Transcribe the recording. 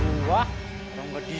orang gak diem juga dari tadi